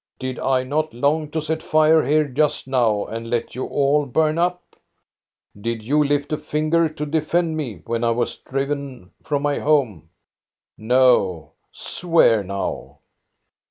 Did I not long to set fire here just now and let you all burn up ? Did you lift a finger to defend me when I was driven from my home? No, swear now